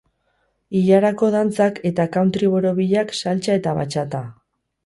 Ilarako dantzak eta country borobilak, saltsa eta batxata.